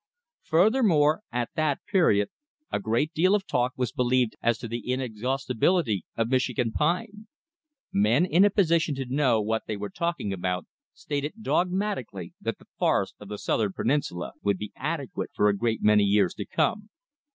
Furthermore, at that period, a great deal of talk was believed as to the inexhaustibility of Michigan pine. Men in a position to know what they were talking about stated dogmatically that the forests of the southern peninsula would be adequate for a great many years to come.